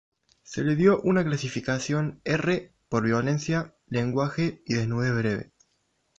Se le dio una clasificación "R" por violencia, lenguaje y desnudez breve.